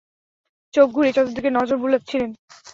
চোখ ঘুরিয়ে চতুর্দিকে নজর বুলাচ্ছিলেন।